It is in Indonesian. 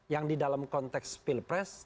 yang di dalam konteks pilpres